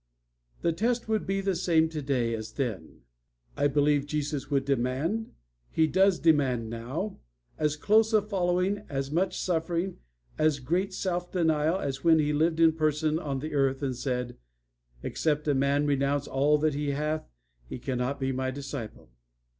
The test would be the same today as then. I believe Jesus would demand He does demand now as close a following, as much suffering, as great self denial as when He lived in person on the earth and said, 'Except a man renounce all that he hath he cannot be my disciple.'